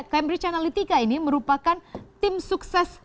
cambridge analytica ini merupakan tim sukses